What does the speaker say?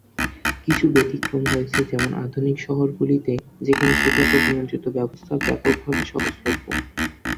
কিছু ব্যতিক্রম হয়েছে যেমন আধুনিক শহরগুলিতে যেখানে শীতাতপ নিয়ন্ত্রণ ব্যবস্থা ব্যাপকভাবে সহজলভ্য।